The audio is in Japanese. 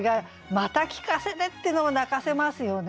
「また聞かせて」ってのも泣かせますよね。